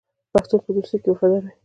پښتون په دوستۍ کې وفادار وي.